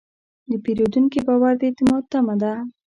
د پیرودونکي باور د اعتماد تمه ده.